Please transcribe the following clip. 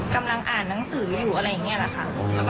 กำลังอ่านหนังสืออยู่อะไรอย่างนี้แหละค่ะ